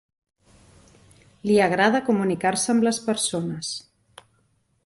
Li agrada comunicar-se amb les persones.